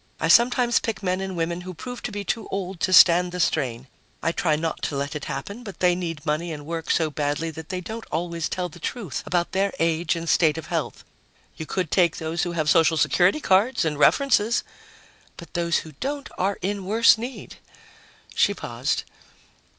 I sometimes pick men and women who prove to be too old to stand the strain. I try not to let it happen, but they need money and work so badly that they don't always tell the truth about their age and state of health." "You could take those who have social security cards and references." "But those who don't have any are in worse need!" She paused.